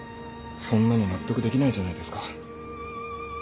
そんなの納得できないじゃないですか。